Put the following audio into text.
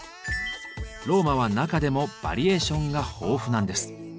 ローマは中でもバリエーションが豊富なんです。